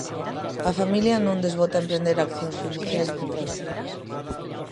A familia non desbota emprender accións xudiciais contra o Sergas.